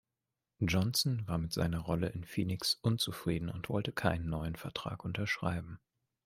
Johnson war mit seiner Rolle in Phoenix unzufrieden und wollte keinen neuen Vertrag unterschreiben.